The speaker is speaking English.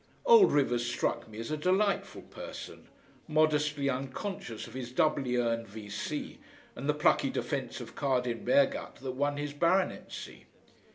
Old Rivers struck me as a delightful person, modestly unconscious of his doubly earned V. C. and the plucky defence of Kardin Bergat that won his baronetcy.